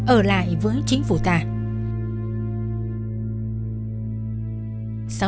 ở lại với chính phủ ta